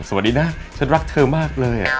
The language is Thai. สวัสดีนะฉันรักเธอมากเลย